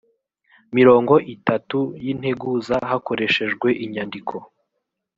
mirongo itatu y integuza hakoreshejwe inyandiko